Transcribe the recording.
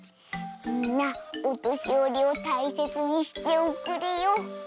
みんなおとしよりをたいせつにしておくれよ。